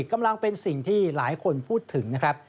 กำลังเป็นสิ่งที่หลายคนพูดถึงนะครับ